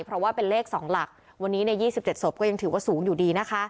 เพราะว่าเป็นเลข๒หลักวันนี้ใน๒๗ศพก็ยังถือว่าสูงอยู่ดีนะคะ